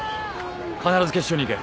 必ず決勝に行け。